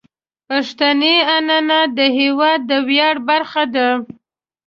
پښتني عنعنات د هیواد د ویاړ برخه دي.